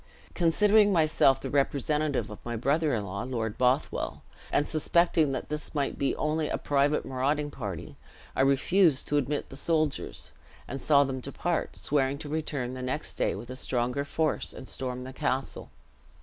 Considering myself the representative of my brother in law, Lord Bothwell, and suspecting that this might be only a private marauding party, I refused to admit the soldiers; and saw them depart, swearing to return next day with a stronger force, and storm the castle.